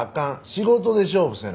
仕事で勝負せな。